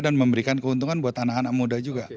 dan memberikan keuntungan buat anak anak muda juga